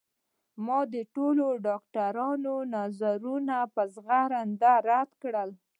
ما د ټولو ډاکترانو نظرونه په زغرده رد کړل